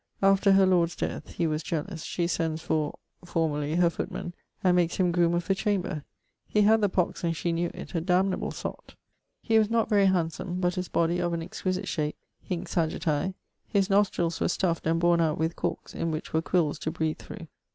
After her lord's death (he was jealous) she sends for ... (formerly) her footman, and makes him groom of the chamber. He had the pox and shee knew it; a damnable sot. He waz not very handsom, but his body of an exquisit shape (hinc sagittae). His nostrills were stufft and borne out with corkes in which were quills to breath through.